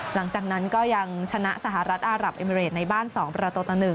หลังจากนั้นก็ยังชนะสหรัฐอารับเอมิเรดในบ้าน๒ประตูต่อ๑